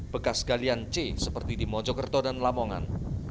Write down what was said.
bekas galian c seperti di mojokerto dan lamongan